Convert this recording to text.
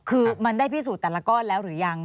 คือมันได้พิสูจน์แต่ละก้อนแล้วหรือยัง